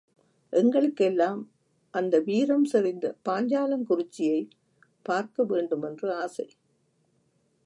எங்களுக்கெல்லாம் அந்த வீரம் செறிந்த பாஞ்சாலங்குறிச்சியைப் பார்க்க வேண்டுமென்று ஆசை.